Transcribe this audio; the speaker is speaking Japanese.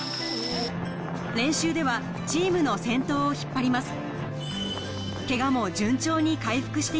練習ではチームの先頭を引っ張ります